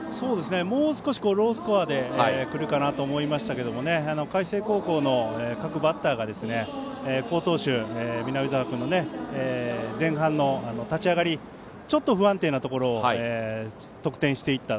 もう少しロースコアでくるかなと思いましたが海星高校の各バッターが好投手、南澤君の前半の立ち上がりちょっと不安定なところを得点していった。